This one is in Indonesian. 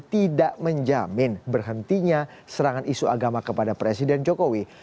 tidak menjamin berhentinya serangan isu agama kepada presiden jokowi